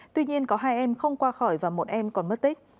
tuy nhiên có hai em không qua khỏi và một em còn mất tích